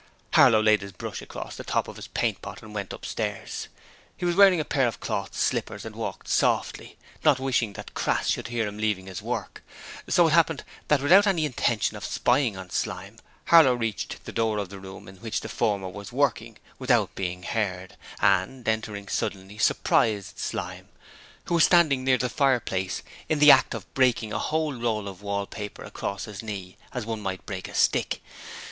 Harlow laid his brush across the top of his paint pot and went upstairs. He was wearing a pair of cloth slippers, and walked softly, not wishing that Crass should hear him leaving his work, so it happened that without any intention of spying on Slyme, Harlow reached the door of the room in which the former was working without being heard and, entering suddenly, surprised Slyme who was standing near the fireplace in the act of breaking a whole roll of wallpaper across his knee as one might break a stick.